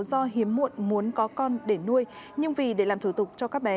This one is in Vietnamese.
do hiếm muộn muốn có con để nuôi nhưng vì để làm thủ tục cho các bé